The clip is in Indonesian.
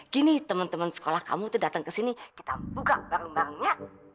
gini teman teman sekolah kamu datang kesini kita buka barang barangnya